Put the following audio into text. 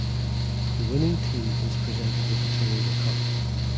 The winning team is presented with the Toyota Cup.